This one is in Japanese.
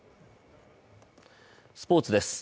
スポーツです。